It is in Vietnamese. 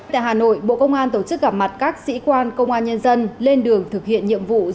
tại hà nội bộ công an tổ chức gặp mặt các sĩ quan công an nhân dân lên đường thực hiện nhiệm vụ